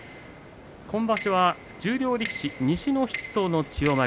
今場所は十両力士西の筆頭の千代丸。